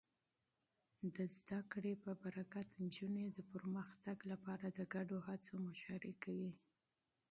د تعلیم په برکت، نجونې د پرمختګ لپاره د ګډو هڅو مشري کوي.